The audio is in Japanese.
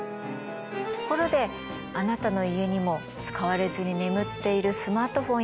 ところであなたの家にも使われずに眠っているスマートフォンや携帯ありませんか？